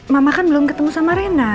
mama kan belum ketemu sama rena